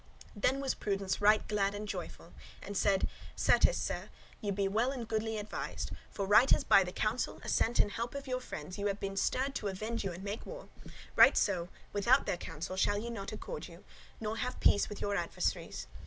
Then was Prudence right glad and joyful, and said, "Certes, Sir, ye be well and goodly advised; for right as by the counsel, assent, and help of your friends ye have been stirred to avenge you and make war, right so without their counsel shall ye not accord you, nor have peace with your adversaries.